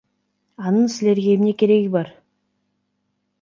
Анын силерге эмне кереги бар?